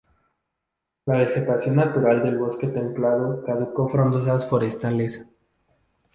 La vegetación natural del bosque templado caduco frondosas forestales.